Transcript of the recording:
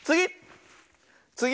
つぎ！